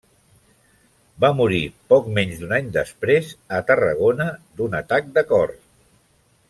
Va morir poc menys d'un any després a Tarragona d'un atac de cor.